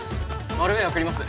マルウェア送ります。